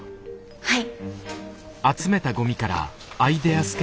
はい。